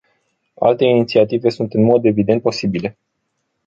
Alte inițiative sunt în mod evident posibile.